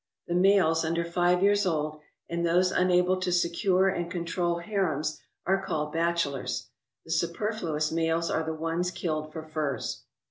The males under five years old and those unable to secure and control harems are called bachelors. The superfluous males are the ones killed for furs.